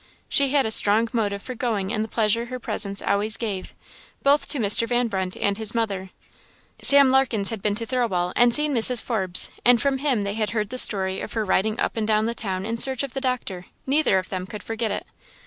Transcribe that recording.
She had a strong motive for going in the pleasure her presence always gave, both to Mr. Van Brunt and his mother. Sam Larkens had been to Thirlwall and seen Mrs. Forbes, and from him they had heard the story of her riding up and down the town in search of the doctor; neither of them could forget it.